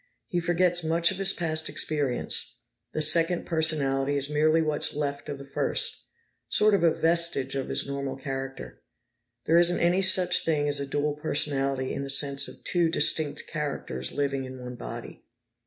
He forgets much of his past experience; the second personality is merely what's left of the first sort of a vestige of his normal character. There isn't any such thing as a dual personality in the sense of two distinct characters living in one body."